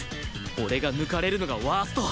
俺が抜かれるのがワースト